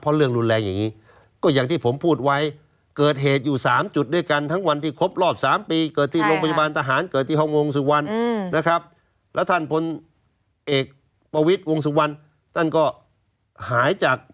ถึงต้องลงสนามบินเนี่ย